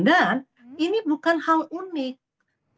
dan ini bukan hal unik